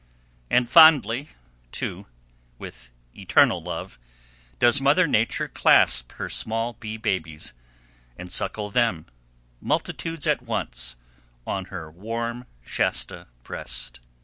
And fondly, too, with eternal love, does Mother Nature clasp her small bee babies, and suckle them, multitudes at once, on her warm Shasta breast.